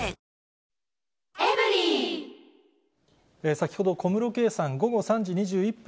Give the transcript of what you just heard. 先ほど小室圭さん、午後３時２１分